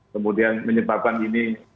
kemudian menyebabkan ini